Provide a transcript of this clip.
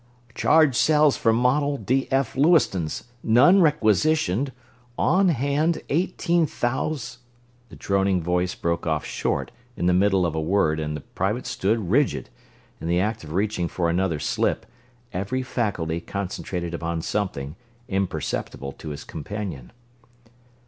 "Charged cells for model DF Lewistons, none requisitioned, on hand eighteen thous...." The droning voice broke off short in the middle of a word and the private stood rigid, in the act of reaching for another slip, every faculty concentrated upon something, imperceptible to his companion.